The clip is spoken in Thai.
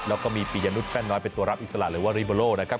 แล้วก็มีปียนุษแป้นน้อยเป็นตัวรับอิสระหรือว่าริโบโลนะครับ